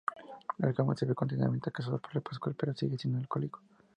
La joven se ve continuamente acosada por Pascual, que sigue siendo un alcohólico.